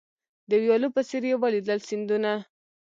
د ویالو په څېر یې ولیدل سیندونه